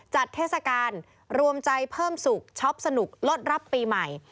เทศกาลรวมใจเพิ่มสุขช็อปสนุกลดรับปีใหม่